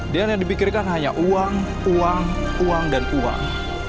dan yang dibikirkan hanya uang uang uang dan uang